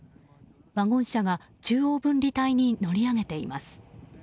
ワゴン車が中央分離帯に乗り上げています。